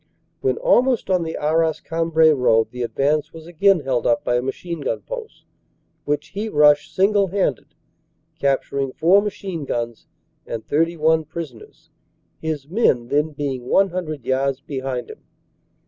When almost on the Arras Cambrai road the advance was again held up by a machine gun post, which he rushed single handed, captur ing four machine guns and 31 prisoners, his men then being 100 yards behind him.